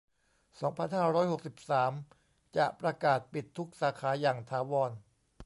สองพันห้าร้อยหกสิบสาม จะประกาศปิดทุกสาขาอย่างถาวร